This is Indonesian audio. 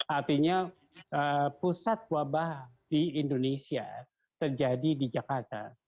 artinya pusat wabah di indonesia terjadi di jakarta